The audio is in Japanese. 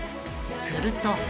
［すると］